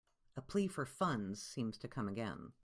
A plea for funds seems to come again.